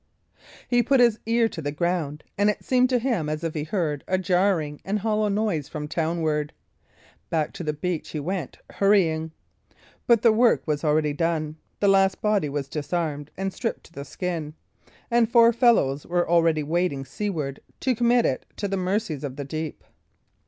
He put his ear to the ground, and it seemed to him as if he heard a jarring and hollow noise from townward. Back to the beach he went hurrying. But the work was already done; the last body was disarmed and stripped to the skin, and four fellows were already wading seaward to commit it to the mercies of the deep.